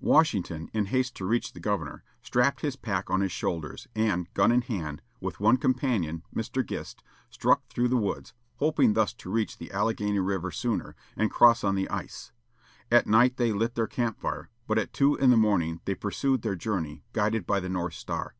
Washington, in haste to reach the governor, strapped his pack on his shoulders, and, gun in hand, with one companion, Mr. Gist, struck through the woods, hoping thus to reach the Alleghany River sooner, and cross on the ice. At night they lit their camp fire, but at two in the morning they pursued their journey, guided by the north star.